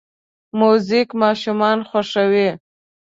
موزیک ماشومان خوښوي.